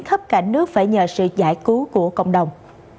khắp cả nước phải nhờ sự giải cứu của cộng đồng